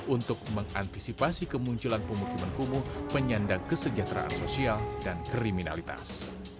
untuk mengantisipasi kemunculan pemukiman kumuh penyandang kesejahteraan sosial dan kriminalitas